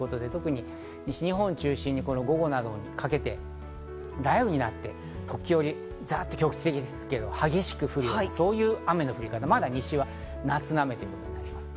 西日本を中心に午後などにかけて雷雨になって時折ざっと局地的ですけど激しく降る雨の降り方、まだ西は夏の雨となります。